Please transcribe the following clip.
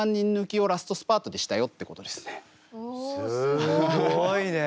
すごいね！